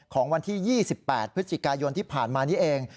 ของวันที่๒๘พฤศจิกายนที่ผ่านมานี้เอง